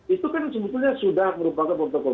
itu kan sebetulnya sudah merupakan protokol